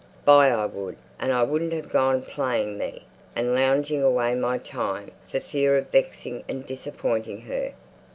By I would; and I wouldn't have gone playing me, and lounging away my time, for fear of vexing and disappointing her.